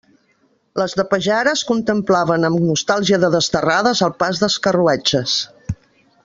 Les de Pajares contemplaven amb nostàlgia de desterrades el pas dels carruatges.